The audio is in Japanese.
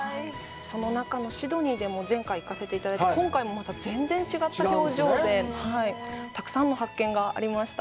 その中のシドニーでも前回、行かせていただいて、今回もまた全然違った表情で、たくさんの発見がありました。